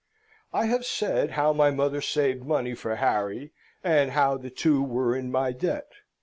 I have said how my mother saved money for Harry, and how the two were in my debt.